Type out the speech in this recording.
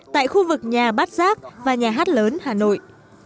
tại khu vực nhà bát giác và nhà hát lớn hà nội